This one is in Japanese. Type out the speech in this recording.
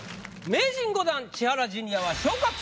名人５段千原ジュニアは。